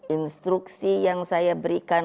instruksi yang saya berikan